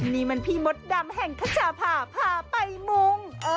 นี่มันพี่มดดำแห่งขชาพาพาไปมุง